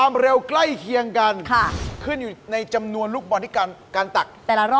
เออรีบรีบเร่งได้ไหมครับผม